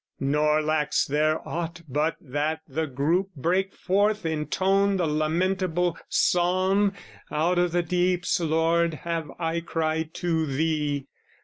Nor lacks there aught but that the group Break forth, intone the lamentable psalm, "Out of the deeps, Lord, have I cried to thee!"